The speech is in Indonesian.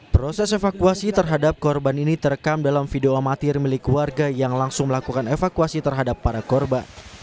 proses evakuasi terhadap korban ini terekam dalam video amatir milik warga yang langsung melakukan evakuasi terhadap para korban